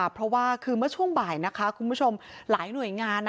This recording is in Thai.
เพราะว่าคือเมื่อช่วงบ่ายนะคะคุณผู้ชมหลายหน่วยงาน